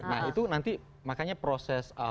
nah itu nanti makanya proses